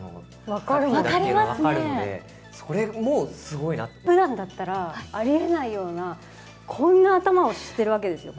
分かるので、それもすごいなふだんだったら、ありえないような、こんな頭をしてるわけですよ。